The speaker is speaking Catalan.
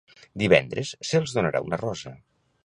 Divendres se'ls donarà una rosa.